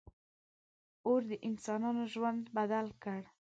• اور د انسانانو ژوند بدل کړ.